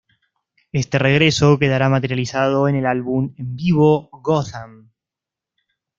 Este regreso quedará materializado en el álbum en vivo "Gotham".